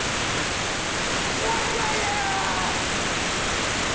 何か言えよ‼